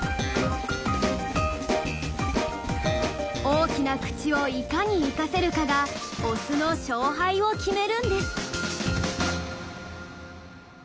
大きな口をいかに生かせるかがオスの勝敗を決めるんです。